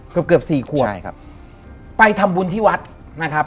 เกือบ๔ขวบไปทำบุญที่วัดนะครับ